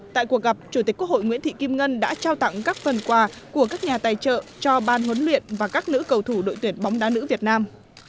tại cuộc gặp chủ tịch quốc hội nguyễn thị kim ngân đã trao tặng các phần quà của các nhà tài trợ cho ban huấn luyện và các nữ cầu thủ đội tuyển bóng đá nữ việt nam